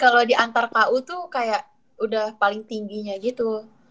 kalo di antar ku tuh kayak udah paling tingginya gitu